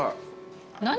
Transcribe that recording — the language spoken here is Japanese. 何？